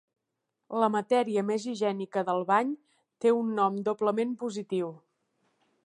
La matèria més higiènica del bany té un nom doblement positiu.